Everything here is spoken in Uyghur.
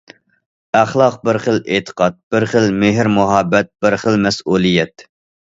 ئەخلاق بىر خىل ئېتىقاد، بىر خىل مېھىر- مۇھەببەت، بىر خىل مەسئۇلىيەت.